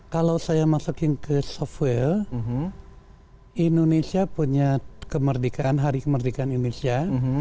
kalau saya masukin ke software indonesia punya kemerdekaan hari kemerdekaan indonesia